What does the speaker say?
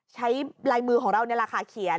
ใช้ลายมือของเราในราคาเขียน